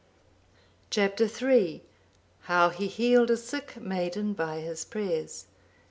Chap. III. How he healed a sick maiden by his prayers.